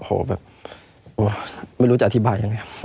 โอ้โหแบบไม่รู้จะอธิบายยังไง